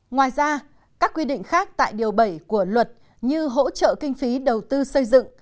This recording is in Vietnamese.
ngoài ra các quy định khác tại điều bảy của luật như hỗ trợ kinh phí đầu tư xây dựng